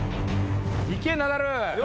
いけナダル。